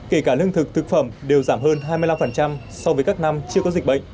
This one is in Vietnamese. kể cả lương thực thực phẩm đều giảm hơn hai mươi năm so với các năm chưa có dịch bệnh